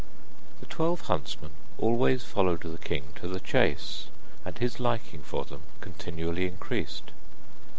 The twelve huntsmen always followed the king to the chase, and his liking for them continually increased.